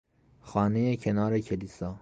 خانهی کنار کلیسا